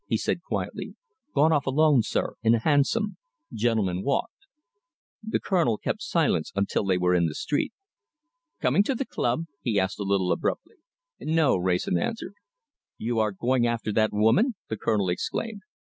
he said, quietly. "Gone off alone, sir, in a hansom. Gentleman walked." The Colonel kept silence until they were in the street. "Coming to the club?" he asked, a little abruptly. "No!" Wrayson answered. "You are going after that woman?" the Colonel exclaimed.